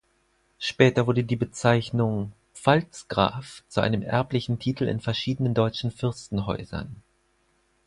Später wurde die Bezeichnung „Pfalzgraf“ zu einem erblichen Titel in verschiedenen deutschen Fürstenhäusern.